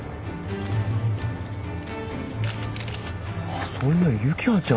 あっそういや幸葉ちゃん家